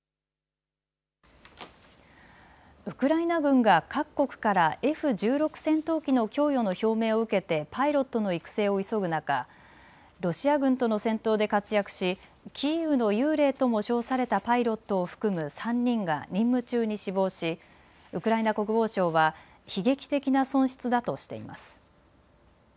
ウクライナ軍が各国からＦ１６戦闘機の供与の表明を受けてパイロットの育成を急ぐ中、ロシア軍との戦闘で活躍しキーウの幽霊とも称されたパイロットを含む３人が任務中に死亡しウクライナ国防省は悲劇的な損失だとしています。